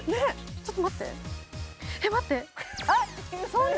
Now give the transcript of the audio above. ちょっと待って。